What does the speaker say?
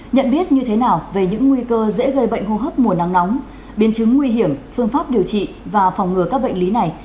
nhận biết như thế nào về những nguy cơ dễ gây bệnh hô hấp mùa nắng nóng biến chứng nguy hiểm phương pháp điều trị và phòng ngừa các bệnh lý này